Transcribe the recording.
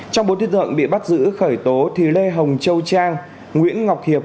trong bốn thiết dựng bị bắt giữ khởi tố thì lê hồng châu trang nguyễn ngọc hiệp